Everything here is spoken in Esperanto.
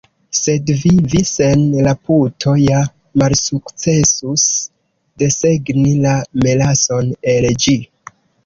Sed vi, vi sen la puto ja malsukcesus desegni la melason el ĝi!